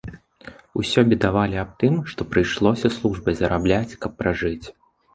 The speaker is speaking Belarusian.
Усё бедавалі аб тым, што прыйшлося службай зарабляць, каб пражыць.